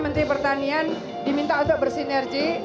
menteri pertanian diminta untuk bersinergi